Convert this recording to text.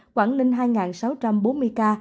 quảng ninh hai sáu trăm bốn mươi ca